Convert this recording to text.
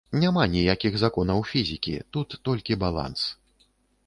Няма ніякіх законаў фізікі, тут толькі баланс.